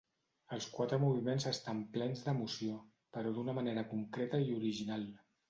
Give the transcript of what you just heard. Els quatre moviments estan plens d'emoció, però d'una manera concreta i original.